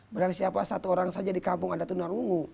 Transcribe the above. berarti siapa satu orang saja di kampung ada tunar ungu